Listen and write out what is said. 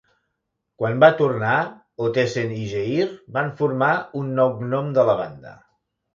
Quan va tornar, Ottesen i Geir van formar un nou gnom de la banda.